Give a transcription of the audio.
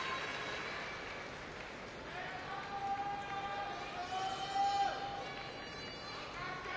拍手